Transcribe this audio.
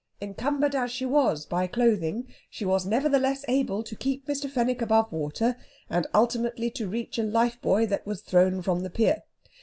Encumbered as she was by clothing, she was nevertheless able to keep Mr. Fenwick above water, and ultimately to reach a life buoy that was thrown from the pier.